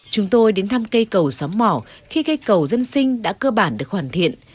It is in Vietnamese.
chúng tôi đến thăm cây cầu xóm mỏ khi cây cầu dân sinh đã cơ bản được hoàn thiện